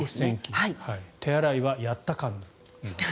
手洗いはやった感。